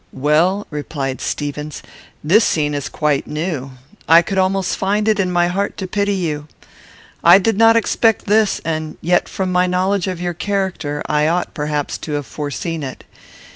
"Well," replied Stevens, "this scene is quite new. I could almost find it in my heart to pity you. I did not expect this; and yet, from my knowledge of your character, I ought, perhaps, to have foreseen it.